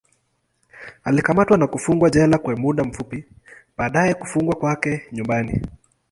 Alikamatwa na kufungwa jela kwa muda fupi, baadaye kufungwa kwake nyumbani.